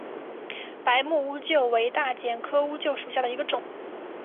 白木乌桕为大戟科乌桕属下的一个种。